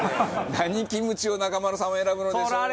何キムチを中丸さんは選ぶのでしょうか？